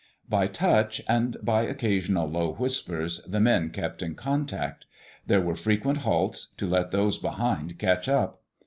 By touch, and by occasional low whispers, the men kept in contact. There were frequent halts, to let those behind catch up.